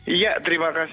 iya terima kasih